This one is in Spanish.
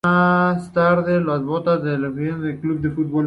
Más tarde colgó las botas en el Úbeda Club de Fútbol.